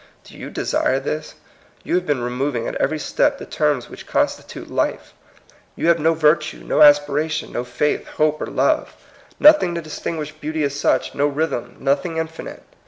Do you desire thisr You have been removing at every step the terms which constitute life. You have no virtue, no aspiration, no faith, hope, or love, nothing to distin 108 THJE COMING PEOPLE, guish i)eauty as such, no rhythm, nothing infinite.